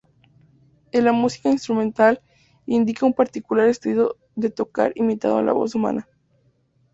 En la música instrumental, indica un particular estilo de tocar imitando la voz humana.